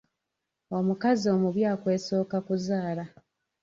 Omukazi omubi akwesooka kuzaala.